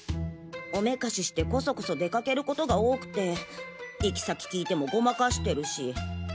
おめかししてコソコソ出かけることが多くて行き先聞いてもごまかしてるし。